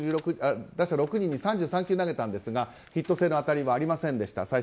打者６人に３３球投げたんですがヒット性の当たりはありませんでした。